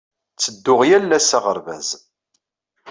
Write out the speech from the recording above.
Ttedduɣ yal ass s aɣerbaz.